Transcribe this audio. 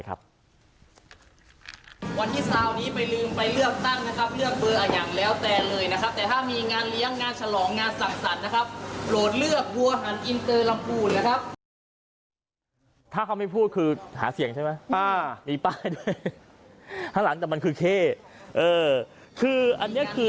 ถ้าเขาไม่พูดคือหาเสียงใช่ไหมป้ามีป้าด้วย